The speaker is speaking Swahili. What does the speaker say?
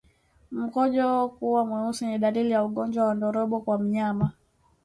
Mkojo kuwa mweusi ni dalili ya ugonjwa wa ndorobo kwa mnyama